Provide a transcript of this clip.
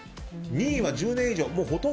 ２位は１０年以上。